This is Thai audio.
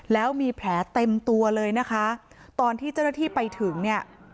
แล้วมีแผลเต็มตัวเลยนะคะตอนที่เจ้าหน้าที่ไปถึงเนี่ย